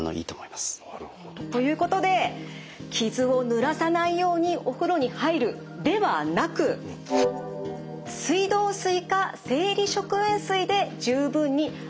ということで「傷をぬらさないようにお風呂に入る」ではなく「水道水か生理食塩水で十分に洗い流す」でお願いします。